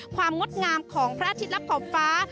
ความงดงามของพระอาทิตย์รับขอบฟ้า